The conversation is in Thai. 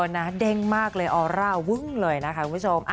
นะเด้งมากเลยออร่าวึ้งเลยนะคะคุณผู้ชม